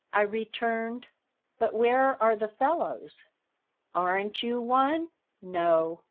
I returned. "But where are the fellows?" "Aren't you one?" "No."